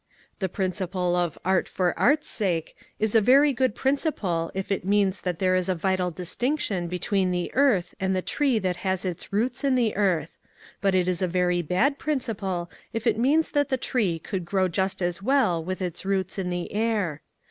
The principle of art for art's sake is a very good principle if it means that there is a vital distinction be tween the earth and the tree that has its roots in the earth ; but it is a very bad principle if it means that the tree could grow just as well with its roots in the air.